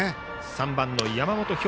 ３番の山本彪